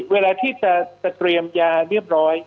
เวลาที่จะเตรียมยาเรียบร้อย